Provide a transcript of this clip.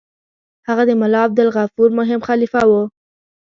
هغه د ملا عبدالغفور مهم خلیفه وو.